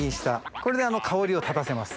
これで香りを立たせます。